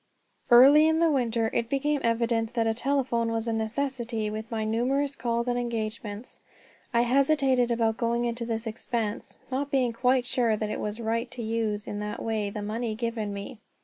Early in the winter it became evident that a telephone was a necessity, with my numerous calls and engagements. I hesitated about going into this expense, not being quite sure that it was right to use in that way the money given me.